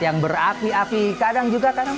yang berapi api kadang juga kadang